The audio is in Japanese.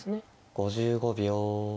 ５５秒。